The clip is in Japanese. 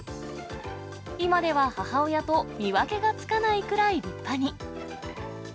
今では母親と見分けがつかないくらい立派に。